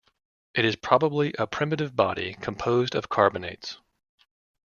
It is probably a primitive body composed of carbonates.